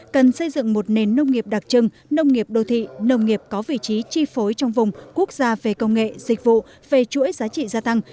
cần xây dựng một nền nông nghiệp đặc trưng nông nghiệp đô thị nông nghiệp có vị trí chi phối trong vùng quốc gia về công nghệ dịch vụ về chuỗi giá trị gia tăng